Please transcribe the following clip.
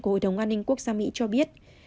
của hội đồng an ninh quốc gia mỹ cho biết